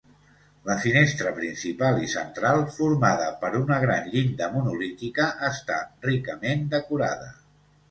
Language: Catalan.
La finestra principal i central, formada per una gran llinda monolítica, està ricament decorada.